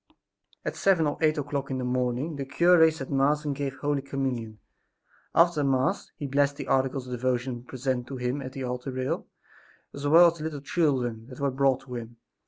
At seven or eight o'clock in the morning the cure said Mass and gave Holy Communion. After Mass he blessed the articles of devotion presented to him at the altar rail, as well as the little children that were brought to him.